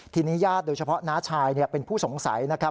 ทีนี้ญาติโดยเฉพาะน้าชายเป็นผู้สงสัยนะครับ